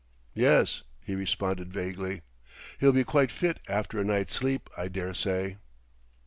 "Yes," he responded vaguely; "he'll be quite fit after a night's sleep, I dare say."